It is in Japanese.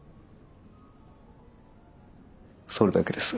それだけです。